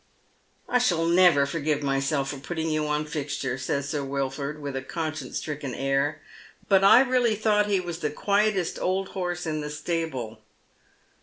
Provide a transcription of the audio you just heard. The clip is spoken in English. *' I shall never forgive myself for putting you on Fixture," says Sir Wilford, with a conscience stricken air, "but I really tliought he was the quietest old horse in the stable."